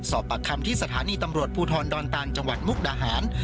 สอบปากคำที่สถานีตำรวจภูทรดอนตานจังหวัดมุกดาหาร